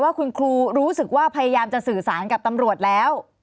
ว่าคุณครูรู้สึกว่าพยายามจะสื่อสารกับตำรวจแล้ว